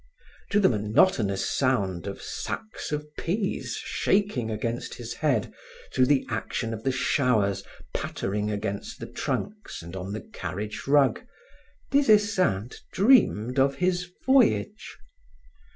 To the monotonous sound of sacks of peas shaking against his head through the action of the showers pattering against the trunks and on the carriage rug, Des Esseintes dreamed of his voyage.